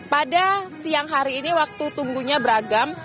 pada siang hari ini waktu tunggunya beragam